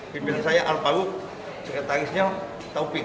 pimpinan saya al fawuk sekat tangisnya taufik